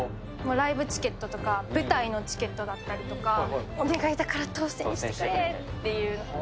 ライブチケットとか、舞台のチケットだったりとか、お願いだから当せんしてくれーっていう。